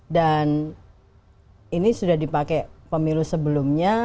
dan ini sudah dipakai pemilu sebelumnya